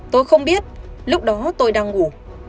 tôi không biết lúc đó tôi đang ngủ